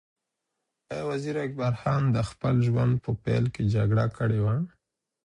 ایا وزیر اکبر خان د خپل ژوند په پیل کې جګړه کړې وه؟